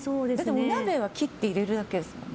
お鍋は切って入れるだけですもんね。